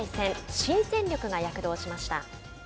新戦力が躍動しました。